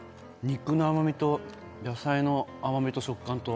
肉の甘みと野菜の甘みと食感と。